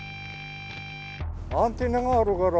アンテナがあるから